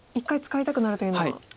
１回使いたくなるというのは。